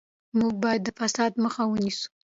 موږ باید د فساد مخه ونیسو.